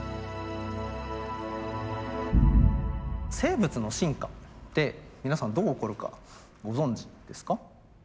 生物の進化って皆さんどう起こるかご存じですか？